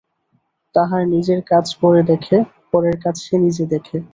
তাহার নিজের কাজ পরে দেখে, পরের কাজ সে নিজে দেখে।